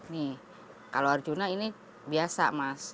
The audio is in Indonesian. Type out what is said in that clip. nih kalau arjuna ini biasa mas